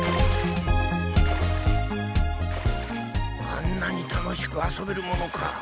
あんなに楽しく遊べるものか。